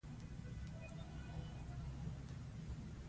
کارمل ویلي، د شوروي ځواکونو شتون موقت دی.